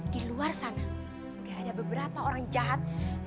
di luar sana gak ada beberapa orang jahat